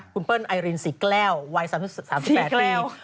คุณเปิ้ลไอรีนสี่แกล้ววัย๓๘ปีสี่แกล้ว